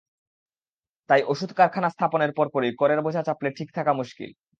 তাই ওষুধ কারখানা স্থাপনের পরপরই করের বোঝা চাপলে টিকে থাকা মুশকিল।